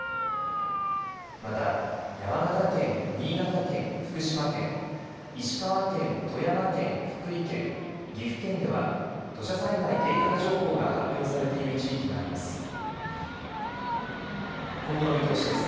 また山形県、新潟県、福島県、石川県、富山県、福井県、岐阜県では土砂災害警戒情報が発表されている地域があります。